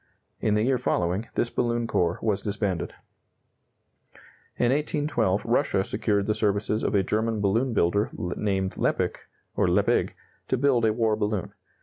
In the year following, this balloon corps was disbanded. In 1812 Russia secured the services of a German balloon builder named Leppich, or Leppig, to build a war balloon.